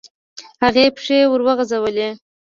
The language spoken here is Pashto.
هغې پښې وروغځولې.